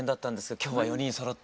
今日は４人そろって。